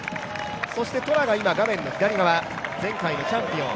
そして、トラが今、画面の左側前回のチャンピオン。